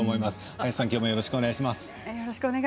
早瀬さん、きょうもよろしくお願いします。